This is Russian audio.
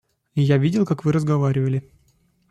Я видел, как вы разговаривали.